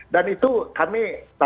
dan itu kami